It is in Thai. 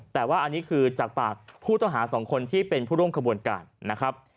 แต่ว่าอันนี้คือจากปากผู้ต้องหา๒คนที่เป็นผู้ร่วมขบวนการนะครับ